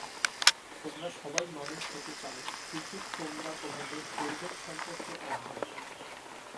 তোমরা সবাই মানুষ হতে চাও কিন্তু তোমরা তোমাদের প্রয়োজন সম্পর্কে অন্ধ!